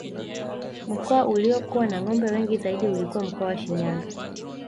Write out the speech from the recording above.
Mkoa uliokuwa na ngombe wengi zaidi ulikuwa mkoa wa Shinyanga